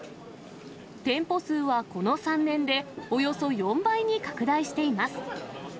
店舗数はこの３年でおよそ４倍に拡大しています。